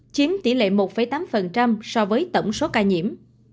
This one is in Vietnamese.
chiếm tỷ lệ một tám so với tổng số ca nhiễm